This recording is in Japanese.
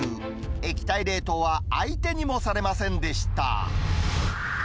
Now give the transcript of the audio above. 液体冷凍は相手にもされませんでした。